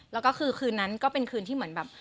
แล้วก็คือคืนนั้นก็เป็นคืนที่เหมือนแบบ